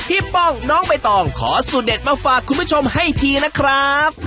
พี่ป้องน้องบายต้องขอสุเด็จมาฝากคุณผู้ชมให้ทีนะครับ